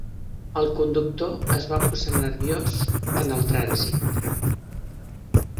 El conductor es va posar nerviós en el trànsit.